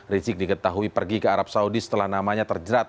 rizik diketahui pergi ke arab saudi setelah namanya terjerat